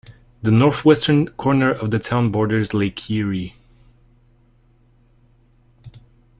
The northwestern corner of the town borders Lake Erie.